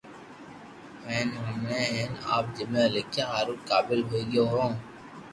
ھين ھئمي ھين آپ جملا لکيا ھارو قابل ھوئي گيو ھون